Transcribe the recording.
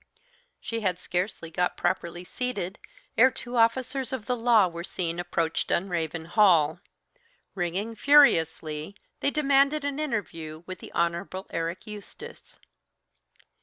She had scarcely got properly seated ere two officers of the law were seen approach Dunraven Hall. Ringing furiously, they demanded an interview with the Hon. Eric Eustace.